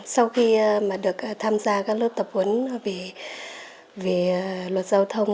sau khi được tham gia các lớp tập huấn về luật giao thông